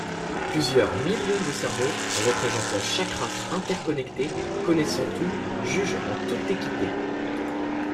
Plusieurs millions de cerveaux représentant chaque race, interconnectés, connaissant tout, jugent en toute équité.